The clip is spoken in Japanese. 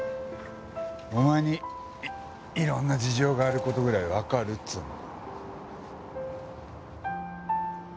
お前にいろんな事情がある事ぐらいわかるっつうの。